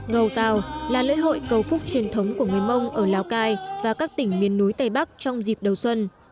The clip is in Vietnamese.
cầu tàu là lễ hội cầu phúc truyền thống của người mông ở lào cai và các tỉnh miền núi tây bắc trong dịp đầu xuân